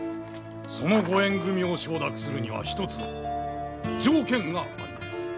そのご縁組みを承諾するには１つ条件があります。